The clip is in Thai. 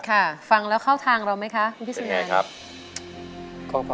ค่ะฟังแล้วเข้าทางเราไหมคะคุณพี่สุงงานเป็นไงครับ